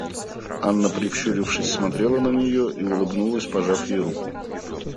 Анна прищурившись смотрела на нее и улыбнулась, пожав ей руку.